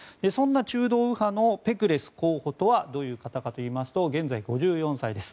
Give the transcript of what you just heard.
そんな中道右派のペクレス候補とはどういう方かといいますと現在、５４歳。